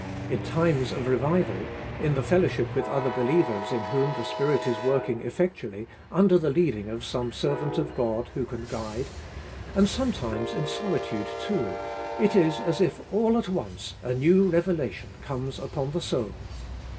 In times of revival, in the fellowship with other believers in whom the Spirit is working effect ually, under the leading of some servant of God who can guide, and sometimes in solitude too, it is as if all at once a new revelation comes upon the soul.